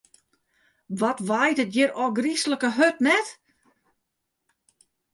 Wat waait it hjir ôfgryslike hurd, net?